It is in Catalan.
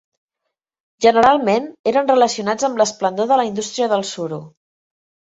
Generalment eren relacionats amb l'esplendor de la indústria del suro.